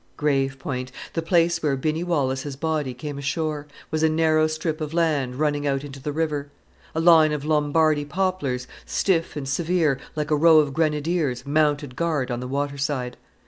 Grave Point the place where Binny Wallace's body came ashore was a narrow strip of land running out into the river. A line of Lombardy poplars, stiff and severe, like a row of grenadiers, mounted guard on the water side.